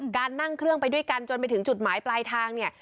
นั่งเครื่องไปด้วยกันจนไปถึงจุดหมายปลายทางเนี่ย